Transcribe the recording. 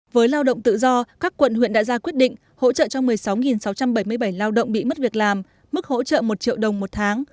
với lao động tự do các quận huyện đã ra quyết định hỗ trợ cho một mươi sáu sáu trăm bảy mươi bảy lao động bị mất việc làm mức hỗ trợ một triệu đồng một tháng